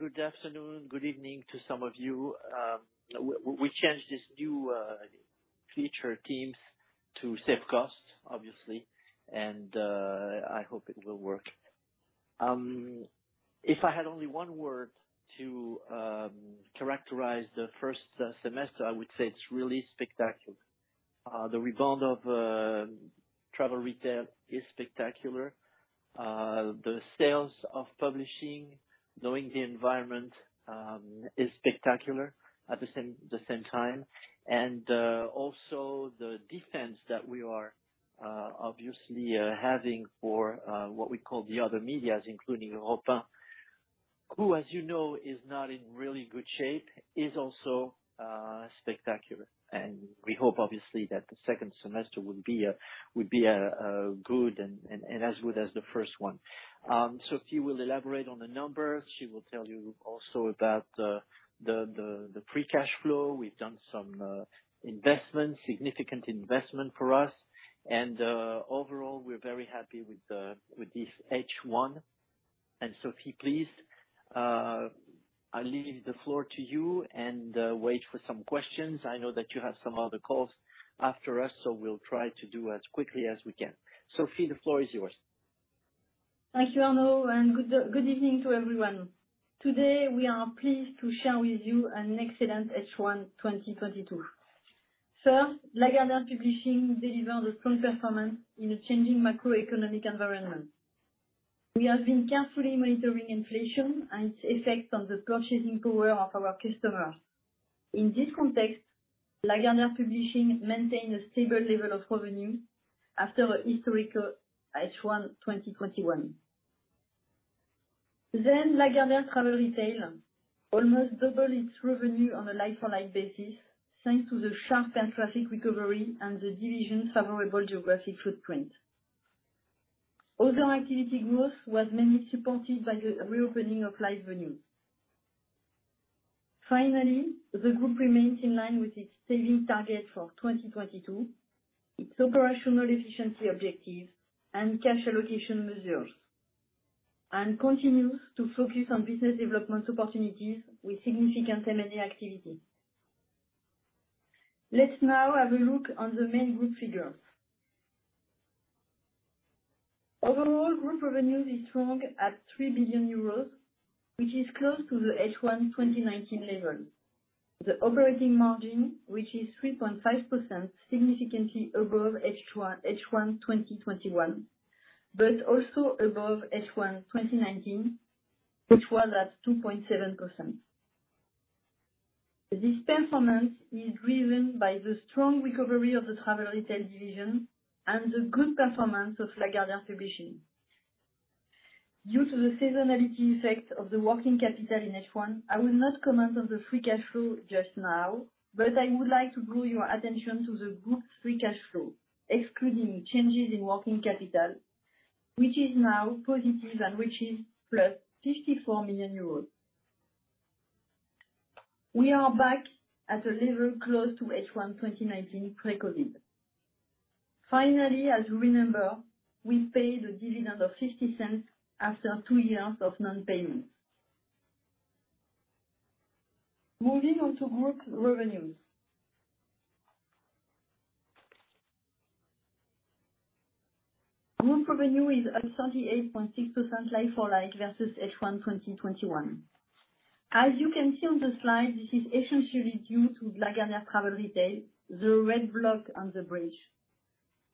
Good afternoon, good evening to some of you. We change this new feature teams to save costs, obviously, and I hope it will work. If I had only one word to characterize the first semester, I would say it's really spectacular. The rebound of travel retail is spectacular. The sales of publishing, knowing the environment, is spectacular at the same time. Also the defense that we are obviously having for what we call the other media, including Europe 1, who as you know, is not in really good shape, is also spectacular. We hope obviously that the second semester will be as good as the first one. Sophie will elaborate on the numbers. She will tell you also about the free cash flow. We've done some investments, significant investment for us. Overall, we're very happy with this H1. Sophie, please, I leave the floor to you and wait for some questions. I know that you have some other calls after us, so we'll try to do as quickly as we can. Sophie, the floor is yours. Thank you, Arnaud, and good evening to everyone. Today, we are pleased to share with you an excellent H1 2022. First, Lagardère Publishing delivered a strong performance in a changing macroeconomic environment. We have been carefully monitoring inflation and its effects on the purchasing power of our customers. In this context, Lagardère Publishing maintained a stable level of revenue after a historical H1 2021. Lagardère Travel Retail almost doubled its revenue on a like-for-like basis, thanks to the sharp air traffic recovery and the division's favorable geographic footprint. Other activity growth was mainly supported by the reopening of live venues. Finally, the group remains in line with its savings target for 2022, its operational efficiency objective, and cash allocation measures, and continues to focus on business development opportunities with significant M&A activity. Let's now have a look on the main group figures. Overall, group revenues is strong at 3 billion euros, which is close to the H1 2019 level. The operating margin, which is 3.5%, significantly above H1 2021, but also above H1 2019, which was at 2.7%. This performance is driven by the strong recovery of the Travel Retail division and the good performance of Lagardère Publishing. Due to the seasonality effect of the working capital in H1, I will not comment on the free cash flow just now, but I would like to draw your attention to the group's free cash flow, excluding changes in working capital, which is now positive and which is +54 million euros. We are back at a level close to H1 2019 pre-COVID. Finally, as you remember, we paid a dividend of 0.50 after two years of non-payment. Moving on to group revenues. Group revenue is at 38.6% like-for-like versus H1 2021. As you can see on the slide, this is essentially due to Lagardère Travel Retail, the red block on the bridge,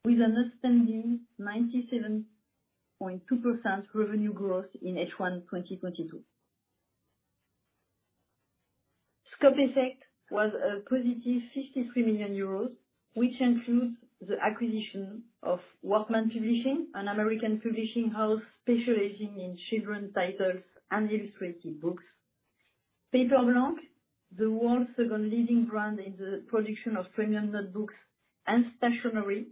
with an outstanding 97.2% revenue growth in H1 2022. Scope effect was a positive 53 million euros, which includes the acquisition of Workman Publishing, an American publishing house specializing in children's titles and illustrated books, Paperblanks, the world's second leading brand in the production of premium notebooks and stationery,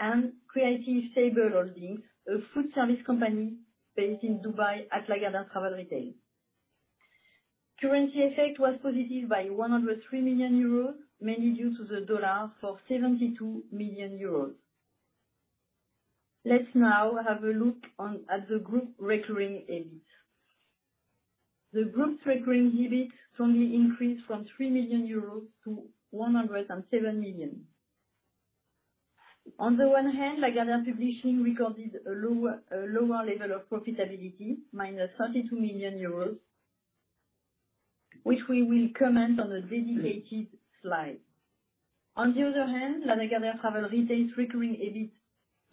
and Creative Table Holdings, a food service company based in Dubai at Lagardère Travel Retail. Currency effect was positive by 103 million euros, mainly due to the dollar for 72 million euros. Let's now have a look at the group recurring EBIT. The group's recurring EBIT strongly increased from 3 million euros to 107 million. On the one hand, Lagardère Publishing recorded a lower level of profitability, -32 million euros, which we will comment on the dedicated slide. On the other hand, Lagardère Travel Retail's recurring EBIT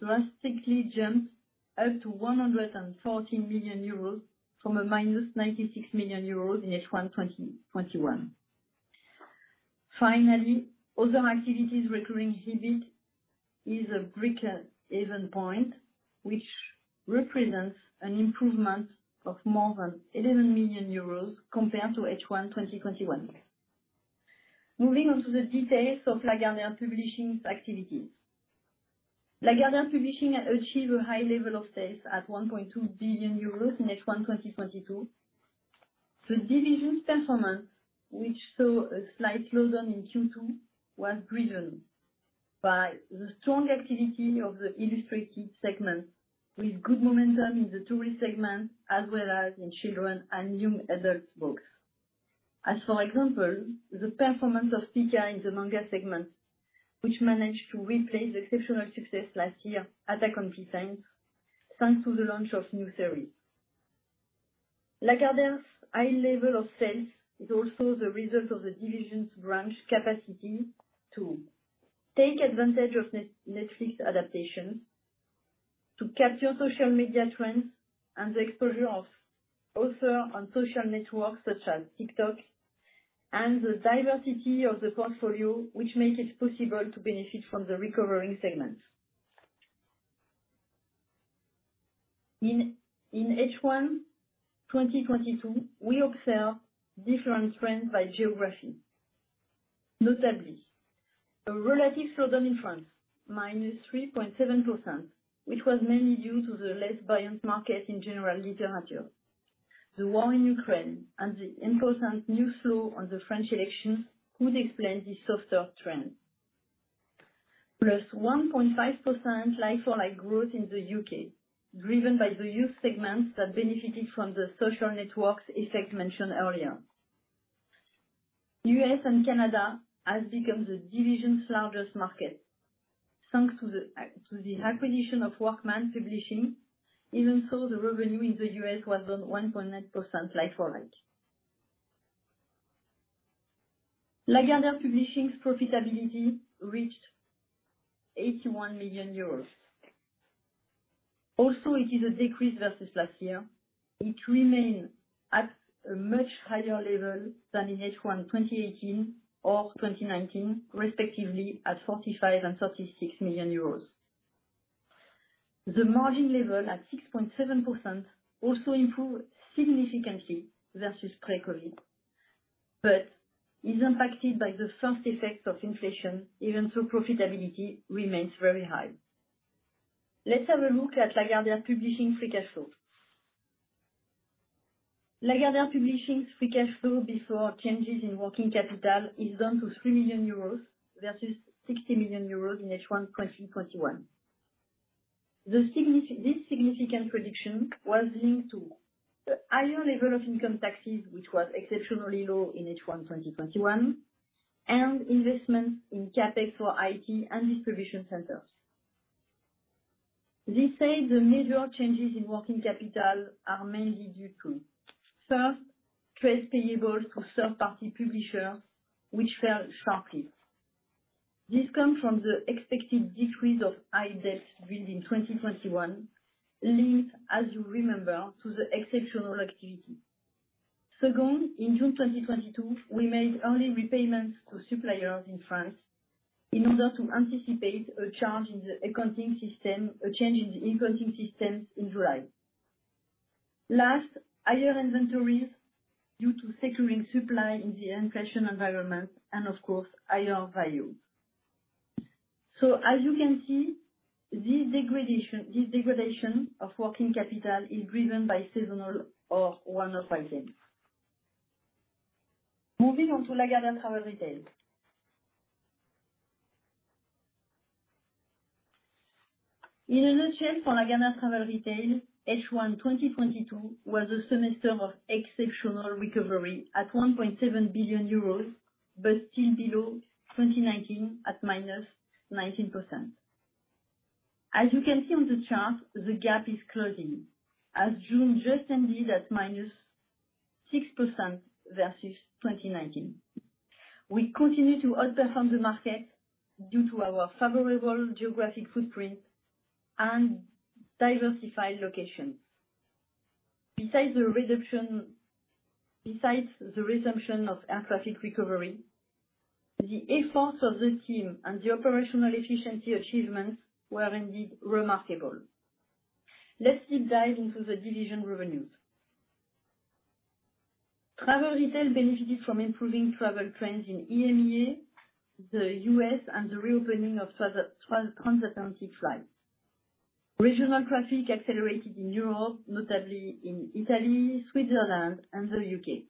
drastically jumped up to 114 million euros from a -96 million euros in H1 2021. Finally, other activities recurring EBIT is a break-even point, which represents an improvement of more than 11 million euros compared to H1 2021. Moving on to the details of Lagardère Publishing's activities. Lagardère Publishing achieved a high level of sales at 1.2 billion euros in H1 2022. The division's performance, which saw a slight slowdown in Q2, was driven by the strong activity of the illustrated segment, with good momentum in the tourist segment, as well as in children and young adult books. As for example, the performance of Pika in the manga segment, which managed to replace the exceptional success last year, Attack on Titan, thanks to the launch of new series. Lagardère's high level of sales is also the result of the division's brand capacity to take advantage of Netflix adaptations, to capture social media trends, and the exposure of authors on social networks such as TikTok, and the diversity of the portfolio, which makes it possible to benefit from the recovering segments. In H1 2022, we observe different trends by geography. Notably, a relative slowdown in France, -3.7%, which was mainly due to the less buoyant market in general literature. The war in Ukraine and the important news flow on the French elections could explain this softer trend. +1.5% like-for-like growth in the U.K., driven by the youth segments that benefited from the social networks effect mentioned earlier. U.S. and Canada has become the division's largest market, thanks to the acquisition of Workman Publishing. Even so, the revenue in the U.S. was down 1.9% like-for-like. Lagardère Publishing's profitability reached 81 million euros. Also, it is a decrease versus last year. It remained at a much higher level than in H1 2018 or 2019, respectively at 45 million and 36 million euros. The margin level at 6.7% also improved significantly versus pre-COVID, but is impacted by the first effects of inflation, even so profitability remains very high. Let's have a look at Lagardère Publishing free cash flow. Lagardère Publishing free cash flow before changes in working capital is down to 3 million euros versus 60 million euros in H1 2021. This significant reduction was linked to the higher level of income taxes, which was exceptionally low in H1 2021, and investments in CapEx for IT and distribution centers. This said, the major changes in working capital are mainly due to, first, trade payables for third-party publishers, which fell sharply. This comes from the expected decrease of high debt built in 2021, linked, as you remember, to the exceptional activity. Second, in June 2022, we made early repayments to suppliers in France in order to anticipate a change in the accounting system, a change in the invoicing systems in July. Last, higher inventories due to securing supply in the inflation environment and of course, higher values. As you can see, this degradation of working capital is driven by seasonal or one-off items. Moving on to Lagardère Travel Retail. In a nutshell, for Lagardère Travel Retail, H1 2022 was a semester of exceptional recovery at 1.7 billion euros, but still below 2019 at -19%. As you can see on the chart, the gap is closing, as June just ended at -6% versus 2019. We continue to outperform the market due to our favorable geographic footprint and diversified locations. Besides the reduction—besides the resumption of air traffic recovery, the efforts of the team and the operational efficiency achievements were indeed remarkable. Let's deep dive into the division revenues. Travel Retail benefited from improving travel trends in EMEA, the U.S., and the reopening of transatlantic flights. Regional traffic accelerated in Europe, notably in Italy, Switzerland, and the U.K.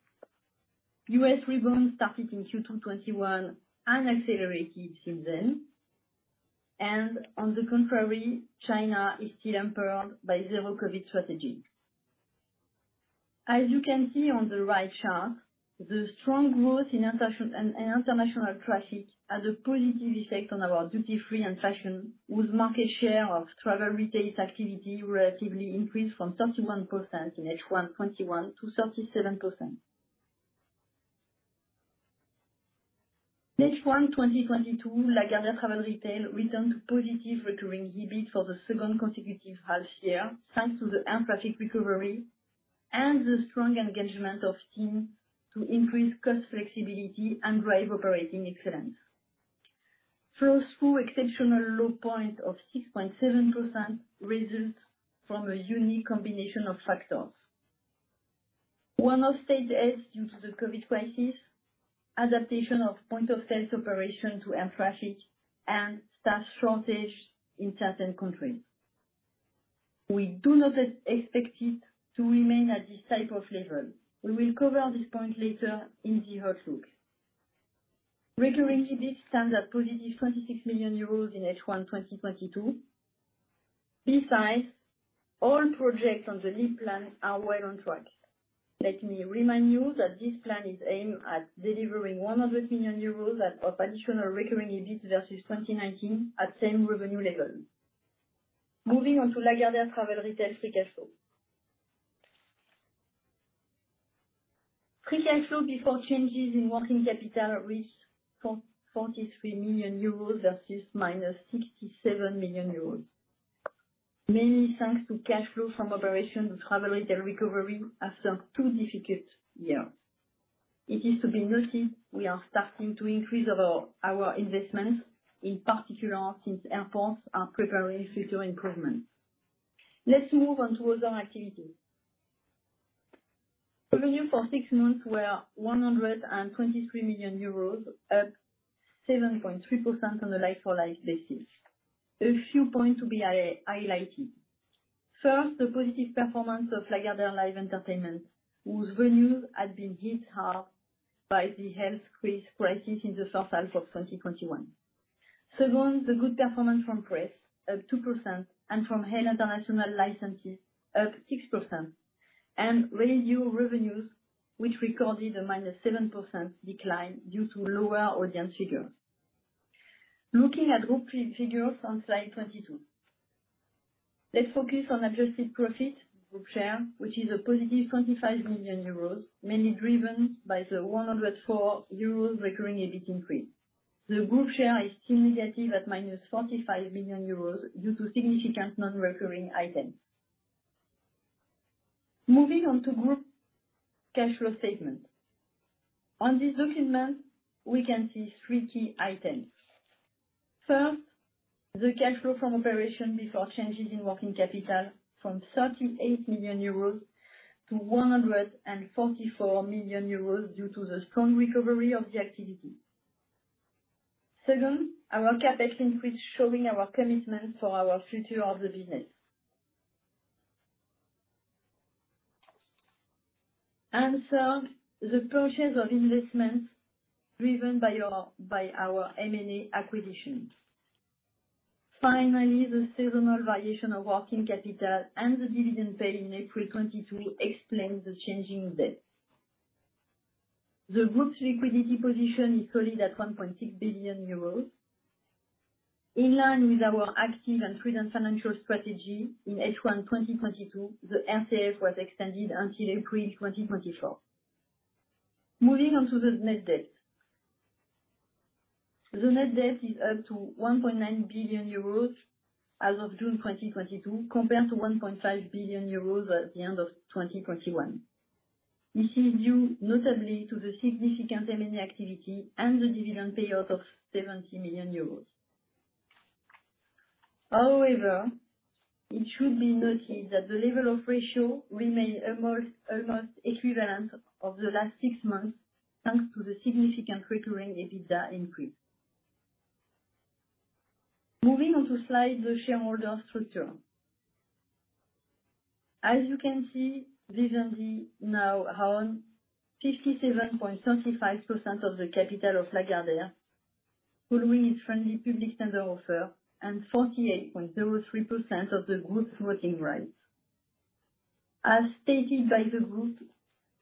U.S. rebound started in Q2 2021 and accelerated since then. On the contrary, China is still impaired by zero-COVID strategy. As you can see on the right chart, the strong growth in international traffic had a positive effect on our duty free and fashion, with market share of travel retail activity relatively increased from 31% in H1 2021 to 37%. In H1 2022, Lagardère Travel Retail returned positive recurring EBIT for the second consecutive half year, thanks to the air traffic recovery and the strong engagement of team to increase cost flexibility and drive operating excellence. This too exceptional low point of 6.7% result from a unique combination of factors. One-off state aids due to the COVID crisis, adaptation of point of sales operation to air traffic and staff shortage in certain countries. We do not expect it to remain at this type of level. We will cover this point later in the outlook. Recurring EBIT stands at +26 million euros in H1 2022. Besides, all projects on the LEaP plan are well on track. Let me remind you that this plan is aimed at delivering 100 million euros of additional recurring EBIT versus 2019 at same revenue level. Moving on to Lagardère Travel Retail free cash flow. Free cash flow before changes in working capital reached 43 million euros versus -67 million euros, mainly thanks to cash flow from operations with travel retail recovery after two difficult years. It is to be noted we are starting to increase our investments, in particular since airports are preparing future improvements. Let's move on to other activities. Revenue for six months were 123 million euros, up 7.3% on the like-for-like basis. A few points to be highlighted. First, the positive performance of Lagardère Live Entertainment, whose revenues had been hit hard by the health crisis in the first half of 2021. Second, the good performance from Press, up 2%, and from ELLE International Licenses, up 6%, and Radio revenues, which recorded a -7% decline due to lower audience figures. Looking at group figures on slide 22. Let's focus on adjusted profit group share, which is a +25 million euros, mainly driven by the 104 million euros recurring EBIT increase. The group share is still negative at -45 million euros due to significant non-recurring items. Moving on to group cash flow statement. On this document, we can see three key items. First, the cash flow from operation before changes in working capital from 38 million-144 million euros due to the strong recovery of the activity. Second, our CapEx increase showing our commitment for our future of the business. Third, the purchase of investments driven by our M&A acquisitions. Finally, the seasonal variation of working capital and the dividend paid in April 2022 explain the change in this. The group's liquidity position is solid at 1.6 billion euros. In line with our active and prudent financial strategy in H1 2022, the RCF was extended until April 2024. Moving on to the net debt. The net debt is up to 1.9 billion euros as of June 2022, compared to 1.5 billion euros at the end of 2021. This is due notably to the significant M&A activity and the dividend payout of 70 million euros. However, it should be noted that the leverage ratio remained almost equivalent to the last six months, thanks to the significant Recurring EBITDA increase. Moving on to slide, the shareholder structure. As you can see, Vivendi now owns 57.35% of the capital of Lagardère, following its friendly public tender offer, and 48.03% of the group's voting rights. As stated by the group,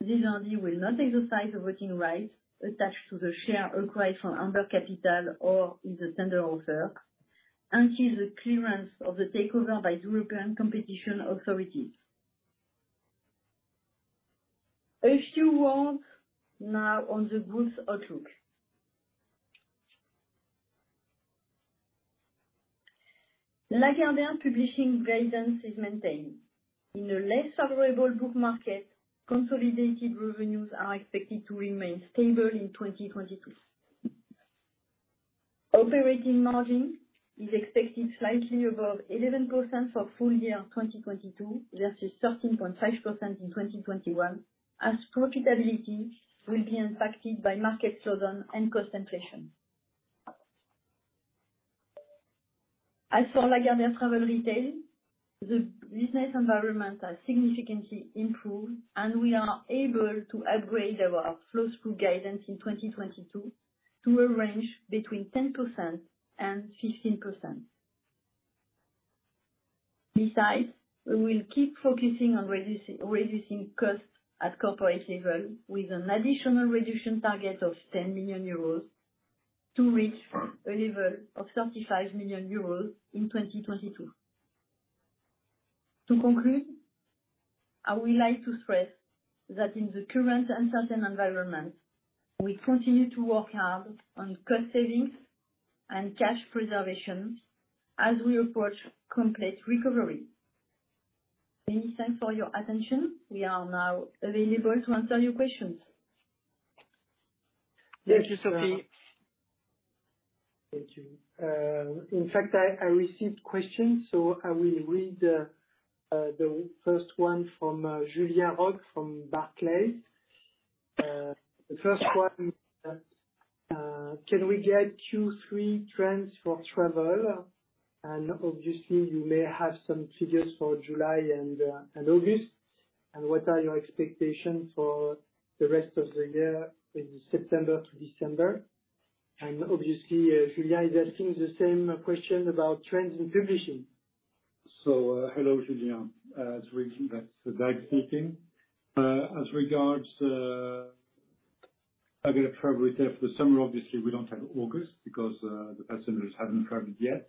Vivendi will not exercise the voting rights attached to the shares acquired from Amber Capital or in the tender offer until the clearance of the takeover by European Competition Authorities. A few words now on the group's outlook. Lagardère Publishing guidance is maintained. In a less favorable book market, consolidated revenues are expected to remain stable in 2022. Operating margin is expected slightly above 11% for full year 2022 versus 13.5% in 2021, as profitability will be impacted by market slowdown and cost inflation. As for Lagardère Travel Retail, the business environment has significantly improved, and we are able to upgrade our flow-through guidance in 2022 to a range between 10% and 15%. We will keep focusing on reducing costs at corporate level with an additional reduction target of 10 million euros to reach a level of 35 million euros in 2022. To conclude, I would like to stress that in the current uncertain environment, we continue to work hard on cost savings and cash preservation as we approach complete recovery. Many thanks for your attention. We are now available to answer your questions. Thank you, Sophie. Thank you. In fact, I received questions, so I will read the first one from Julien Roch from Barclays. The first one, can we get Q3 trends for travel? And obviously you may have some figures for July and August. And what are your expectations for the rest of the year in September to December? And obviously, Julien is asking the same question about trends in publishing. Hello, Julien. It's Dag speaking. As regards, again, travel we have the summer, obviously we don't have August because the passengers haven't traveled yet.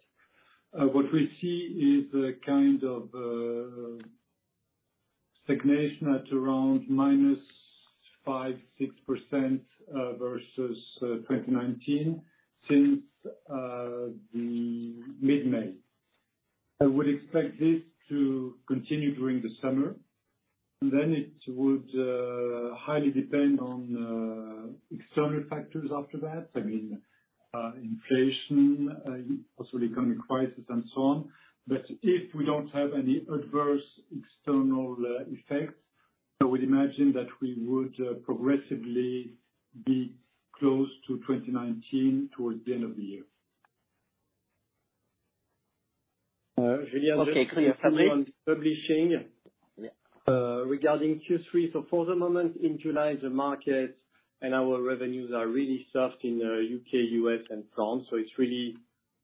What we see is a kind of stagnation at around -5% to 6% versus 2019 since the mid-May. I would expect this to continue during the summer, then it would highly depend on external factors after that, I mean, inflation, possibly economic crisis and so on. If we don't have any adverse external effects, I would imagine that we would progressively be close to 2019 towards the end of the year. Julien, just to confirm on publishing. Yeah. Regarding Q3, for the moment in July, the market and our revenues are really soft in U.K., U.S. and France. It's really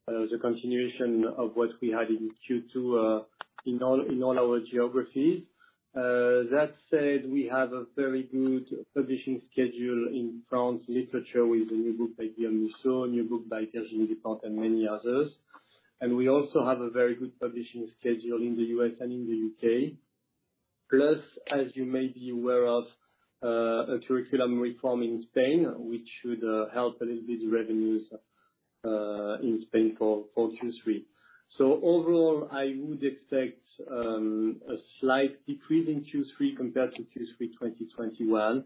the continuation of what we had in Q2 in all our geographies. That said, we have a very good publishing schedule in French literature with a new book by Pierre Lemaitre, a new book by Virginie Despentes and many others. We also have a very good publishing schedule in the U.S. and in the U.K. Plus, as you may be aware of, a curriculum reform in Spain, which should help a little bit revenues in Spain for Q3. Overall, I would expect a slight decrease in Q3 compared to Q3 2021.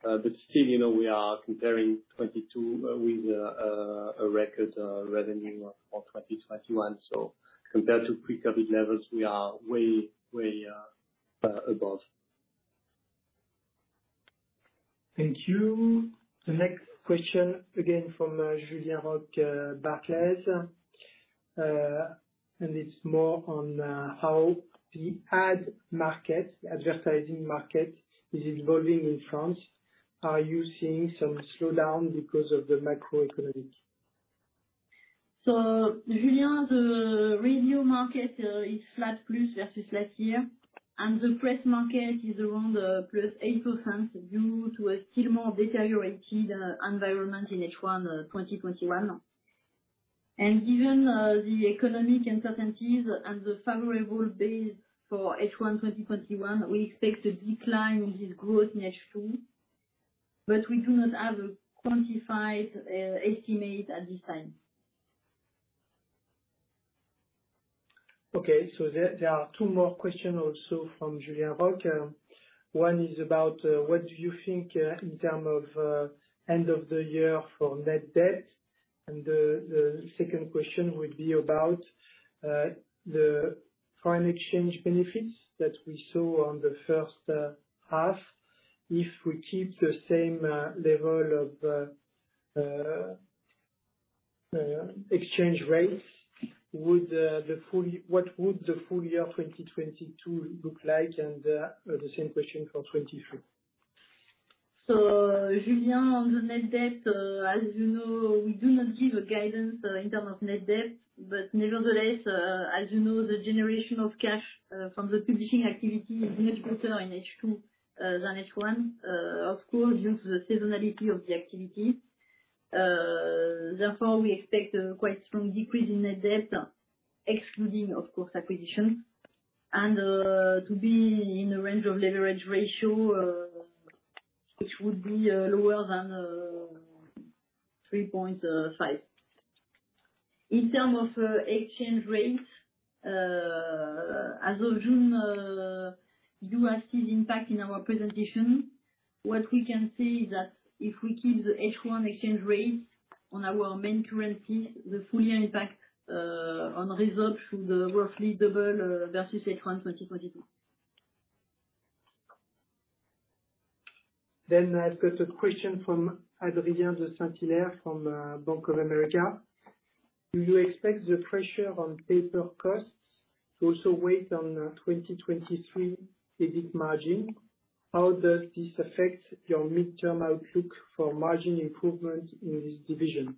Still, you know, we are comparing 2022 with a record revenue of 2021. So, compared to pre-COVID levels, we are way above. Thank you. The next question, again from Julien Roch, Barclays. It's more on how the ad market, advertising market is evolving in France. Are you seeing some slowdown because of the macroeconomic? Julien, the review market is flat plus versus last year, and the press market is around +8% due to a still more deteriorated environment in H1 2021. Given the economic uncertainties and the favorable base for H1 2021, we expect a decline in this growth in H2, but we do not have a quantified estimate at this time. Okay, there are two more questions also from Julien Roch. One is about what do you think in terms of end of the year for net debt? And the second question would be about the foreign exchange benefits that we saw in the first half. If we keep the same level of exchange rates, what would the full year 2022 look like? And the same question for 2023. Julien, on the net debt, as you know, we do not give a guidance in terms of net debt. Nevertheless, as you know, the generation of cash from the publishing activity is much better in H2 than H1, of course, due to the seasonality of the activity. Therefore, we expect a quite strong decrease in net debt, excluding, of course, acquisitions, and to be in a range of leverage ratio which would be lower than 3.5x. In terms of exchange rates, as of June, you have seen impact in our presentation. What we can say is that if we keep the H1 exchange rates on our main currencies, the full year impact on results will be roughly double versus H1 2022. I've got a question from Adrien de Saint Hilaire from Bank of America. Do you expect the pressure on paper costs to also weigh on 2023 EBIT margin? How does this affect your midterm outlook for margin improvement in this division?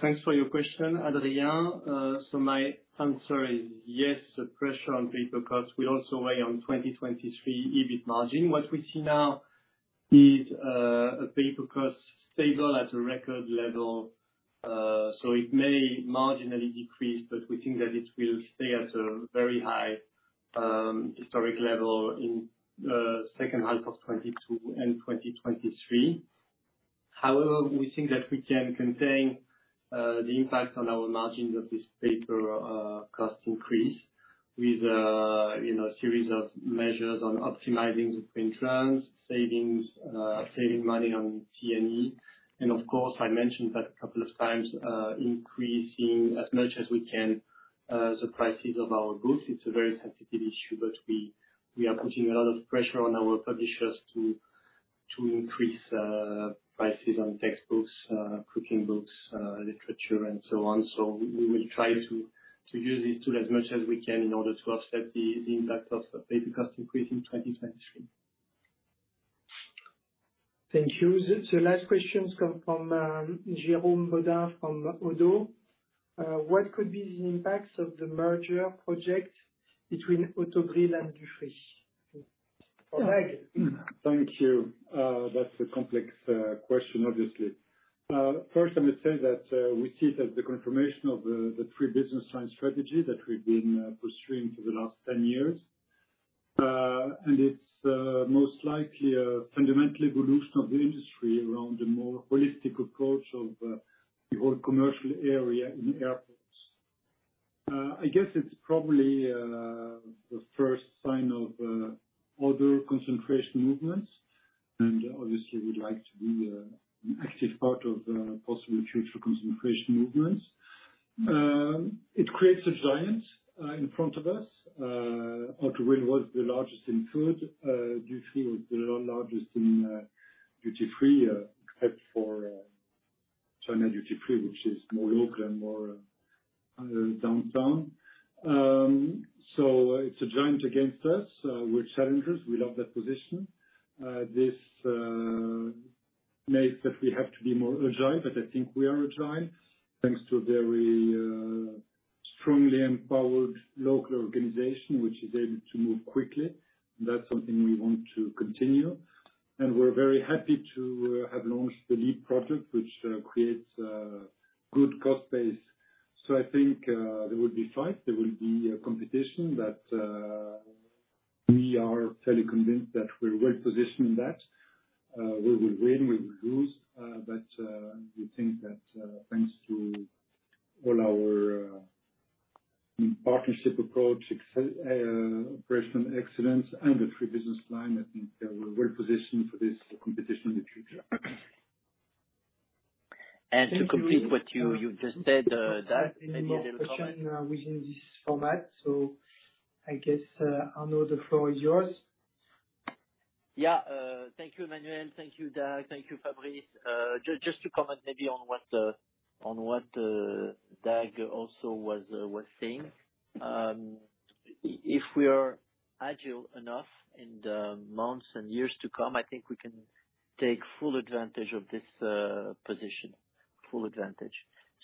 Thanks for your question, Adrien. My answer is yes, the pressure on paper costs will also weigh on 2023 EBIT margin. What we see now is a paper cost stable at a record level. It may marginally decrease, but we think that it will stay at a very high historic level in second half of 2022 and 2023. However, we think that we can contain the impact on our margins of this paper cost increase with, you know, a series of measures on optimizing the print runs, savings, saving money on T&E. Of course, I mentioned that a couple of times, increasing as much as we can the prices of our books, it's a very sensitive issue, but we are putting a lot of pressure on our publishers to increase prices on textbooks, cooking books, literature, and so on. We will try to use it as much as we can in order to offset the impact of the paper cost increase in 2023. Thank you. The last questions come from Jérôme Bodin from ODDO. What could be the impacts of the merger project between Autogrill and Dufry? Thank you. That's a complex question, obviously. First, I would say that we see it as the confirmation of the three business line strategy that we've been pursuing for the last 10 years. It's most likely a fundamental evolution of the industry around a more holistic approach of the whole commercial area in airports. I guess it's probably the first sign of other concentration movements, and obviously we'd like to be an active part of the possible future concentration movements. It creates a giant in front of us. Autogrill was the largest in food. Dufry was the largest in duty-free, except for China Duty Free, which is more local and more downtown. It's a giant against us. We're challengers. We love that position. This means that we have to be more agile, but I think we are agile, thanks to a very strongly empowered local organization, which is able to move quickly. That's something we want to continue. We're very happy to have launched the LEaP project, which creates good cost base. I think there will be fight, there will be competition, but we are fairly convinced that we're well positioned in that. We will win. We will lose. But we think that thanks to all our partnership approach, operational excellence and the three business line, I think that we're well positioned for this competition in the future. To complete what you've just said, Dag, maybe a little comment. ...in a, within this format. I guess, Arnaud, the floor is yours. Yeah. Thank you, Emmanuel. Thank you, Dag. Thank you, Fabrice. Just to comment maybe on what Dag also was saying. If we are agile enough in the months and years to come, I think we can take full advantage of this position, full advantage.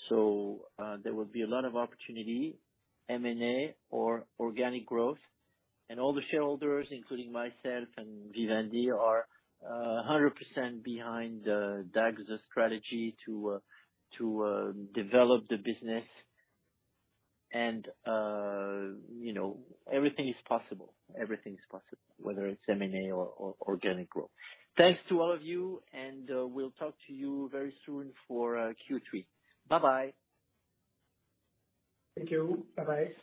There will be a lot of opportunity, M&A or organic growth. All the shareholders, including myself and Vivendi, are 100% behind Dag's strategy to develop the business. You know, everything is possible. Everything is possible, whether it's M&A or organic growth. Thanks to all of you, and we'll talk to you very soon for Q3. Bye-bye. Thank you. Bye-bye.